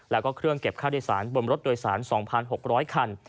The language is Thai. แล้วก็เครื่องเก็บค่าโดยสารบนรถโดยสาร๒๖๐๐คัน